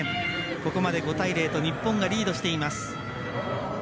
ここまで５対０と日本がリードしています。